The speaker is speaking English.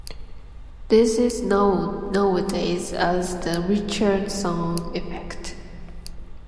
This is known nowadays as the Richardson effect.